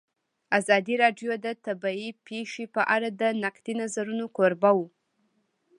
ازادي راډیو د طبیعي پېښې په اړه د نقدي نظرونو کوربه وه.